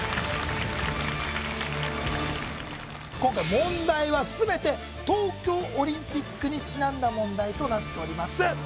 問題は全て東京オリンピックにちなんだ問題となっております